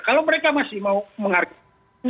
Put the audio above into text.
kalau mereka masih mau menghargai